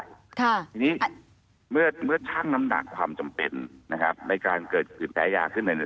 ทีนี้เมื่อชั่งน้ำหนักความจำเป็นในการเกิดปืนแพ้ยาขึ้น